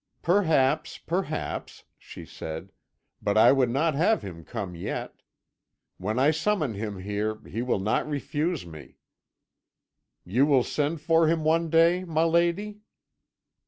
"'Perhaps, perhaps,' she said; 'but I would not have him come yet. When I summon him here he will not refuse me.' "'You will send for him one day, my lady?'